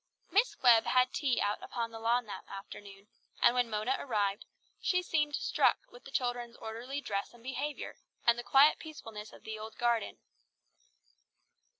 Miss Webb had tea out upon the lawn that afternoon, and when Mona arrived, she seemed struck with the children's orderly dress and behaviour, and the quiet peacefulness of the old garden.